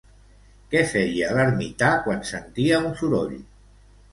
Què feia l'ermità quan sentia un soroll?